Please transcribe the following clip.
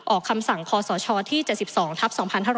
ออกคำสั่งคศที่๗๒ทัพ๒๕๖๒